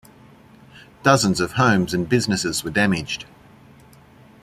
Dozens of homes and businesses were damaged.